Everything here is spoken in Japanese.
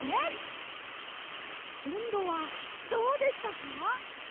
こんどはどうでしたか？